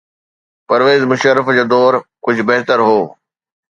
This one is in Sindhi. پرويز مشرف جو دور ڪجهه بهتر هو.